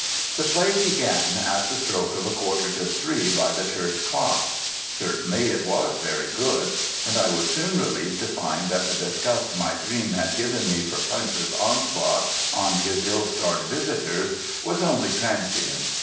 The play began on the stroke of a quarter to three by the church clock. Certainly it was very good; and I was soon relieved to find that the disgust my dream had given me for Punch's onslaughts on his ill starred visitors was only transient.